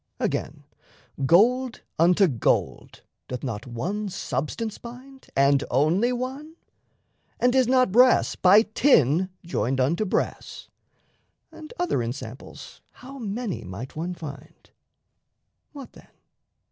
Again, gold unto gold Doth not one substance bind, and only one? And is not brass by tin joined unto brass? And other ensamples how many might one find! What then?